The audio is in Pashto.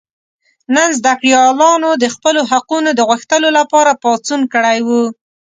نن زده کړیالانو د خپلو حقونو د غوښتلو لپاره پاڅون کړی و.